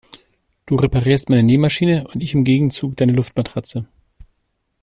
Du reparierst meine Nähmaschine und ich im Gegenzug deine Luftmatratze.